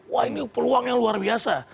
wah ini peluang yang luar biasa